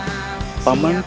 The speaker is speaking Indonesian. sampai sampai cinta kita